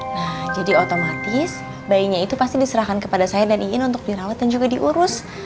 nah jadi otomatis bayinya itu pasti diserahkan kepada saya dan ingin untuk dirawat dan juga diurus